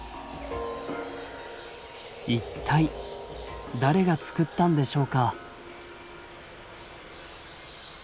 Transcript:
一体誰が作ったんでしょうか。